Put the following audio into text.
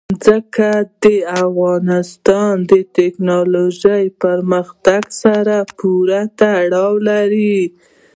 ځمکه د افغانستان د تکنالوژۍ پرمختګ سره پوره تړاو لري.